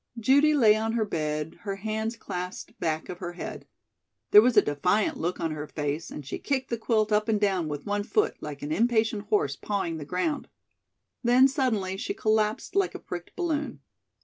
Judy lay on her bed, her hands clasped back of her head. There was a defiant look on her face, and she kicked the quilt up and down with one foot, like an impatient horse pawing the ground. Then, suddenly, she collapsed like a pricked balloon.